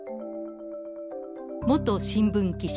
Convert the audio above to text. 元新聞記者。